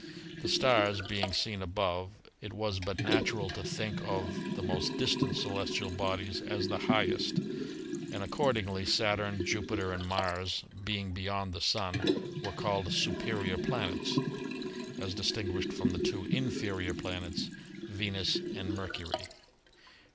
The stars being seen above, it was but natural to think of the most distant celestial bodies as the highest, and accordingly Saturn, Jupiter and Mars, being beyond the Sun, were called "superior planets" as distinguished from the two "inferior planets," Venus and Mercury.